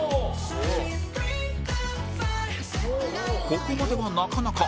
ここまではなかなか